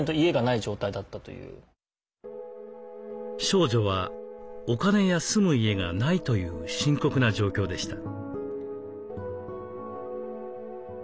少女はお金や住む家がないという深刻な状況でした。